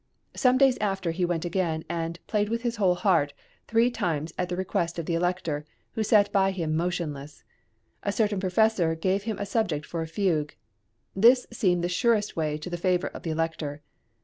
Some days after he went again, and "played with his whole heart" three times at the request of the Elector, who sat by him "motionless"; a certain professor gave him a subject for a fugue. This seemed the surest way to the favour of the Elector.